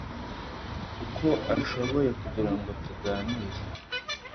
uko ashoboye kugira ngo tuganire,